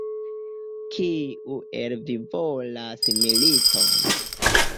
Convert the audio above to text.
Kiu el vi volas militon?